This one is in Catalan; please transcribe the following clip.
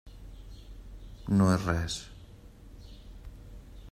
No és res.